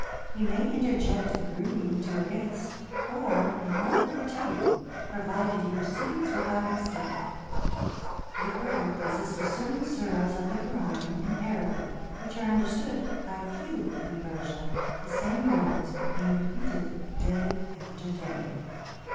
He may interject a greeting to a guest or an order for tea, pro vided he proceeds without mistake. The prayer con sists of certain suras of the Koran in Arabic, which are understood by few in Persia, the same words being repeated day after day.